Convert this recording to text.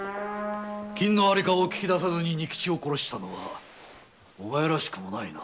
金の在りかを聞き出さずに仁吉を殺したのはお前らしくもないな。